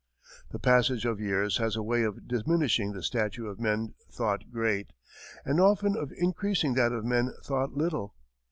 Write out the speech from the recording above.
The passage of years has a way of diminishing the stature of men thought great, and often of increasing that of men thought little.